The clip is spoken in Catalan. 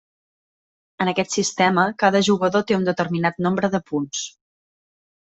En aquest sistema, cada jugador té un determinat nombre de punts.